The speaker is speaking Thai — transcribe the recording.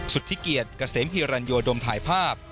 สุธิเกียจกระเสมฮีรันโยดมถ่ายภาพ